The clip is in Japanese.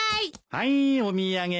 はいお土産。